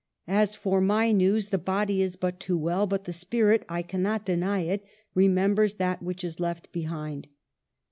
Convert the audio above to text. As for my news, the body is but too well ; but the spirit, I cannot deny it, remem bers that which is left behind.